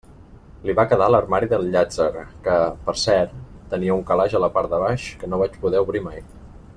Li va quedar l'armari del Llàtzer, que, per cert, tenia un calaix a la part de baix que no vaig poder obrir mai.